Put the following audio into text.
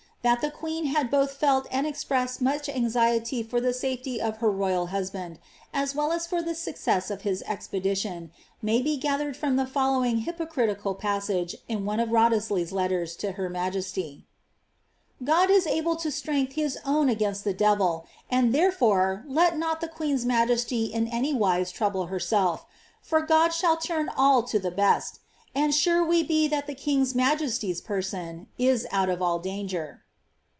That the queen had N>lh felt and expres.<<ed much anxiety for the safety of her royal hus iuid« as well as for the success of his expedition, may be gathered from he following hypocritical passage in one of Wriothesley's letters to her iMJesty :^* God is able to strength his own against the devil, and there ore let not the queen's majesty in any wise trouble herself, for God ball turn all to the best ; and sure we be that the king's majesty's per on is out of all danger."'